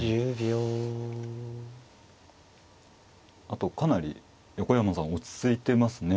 あとかなり横山さん落ち着いてますね。